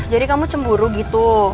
jadi kamu cemburu gitu